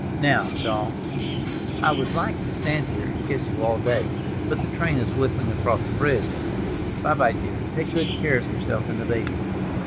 Now, Doll, I would like to stand here and kiss you all day, but the train is whistling across the bridge. By, by, dear; take good care of yourself and the babies!"